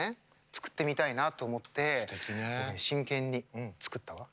作ってみたいなと思って真剣に作ったわ。